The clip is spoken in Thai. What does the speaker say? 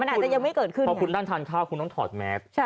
มันอาจจะยังไม่เกิดขึ้นเพราะคุณนั่งทานข้าวคุณต้องถอดแมส